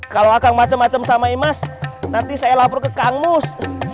kalau kang macem macem sama imas nanti saya lapor ke kang mus